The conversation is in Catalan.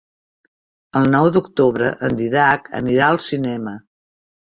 El nou d'octubre en Dídac anirà al cinema.